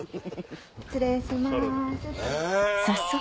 失礼します。